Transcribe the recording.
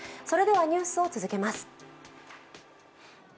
それではニュースを続けます。